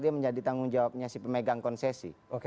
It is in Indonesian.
dia menjadi tanggung jawabnya si pemegang konsesi